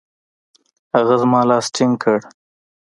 هغه زما لاس ټینګ کړ.